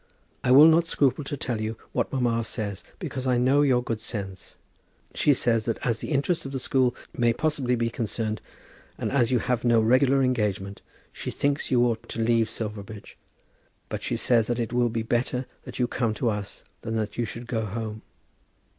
I will not scruple to tell you what mamma says, because I know your good sense. She says that as the interest of the school may possibly be concerned, and as you have no regular engagement, she thinks you ought to leave Silverbridge; but she says that it will be better that you come to us than that you should go home.